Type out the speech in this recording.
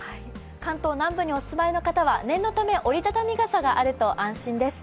関東南部にお住まいの方は念のため折り畳み傘があると安心です。